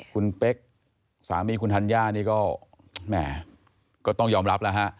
คุณเป๊กสามีคุณธัญญานี่ก็แหมก็ต้องยอมรับแล้วฮะ